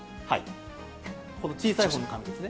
この小さいほうの紙ですね。